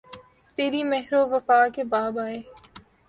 تیری مہر و وفا کے باب آئے